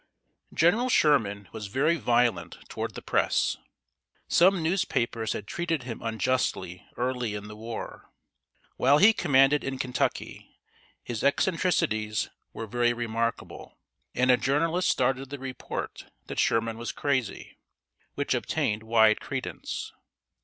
] General Sherman was very violent toward the Press. Some newspapers had treated him unjustly early in the war. While he commanded in Kentucky, his eccentricities were very remarkable, and a journalist started the report that Sherman was crazy, which obtained wide credence.